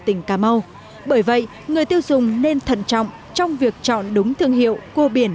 tỉnh cà mau bởi vậy người tiêu dùng nên thận trọng trong việc chọn đúng thương hiệu cua biển